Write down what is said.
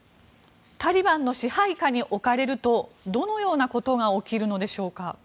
タリバンの支配下に置かれるとどのようなことが起きるのでしょうか？